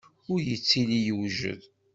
Ur yettili yewjed.